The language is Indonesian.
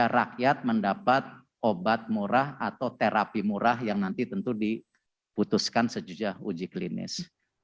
rakyat mendapat obat murah atau terapi murah yang nanti tentu diputuskan sejujur uji klinis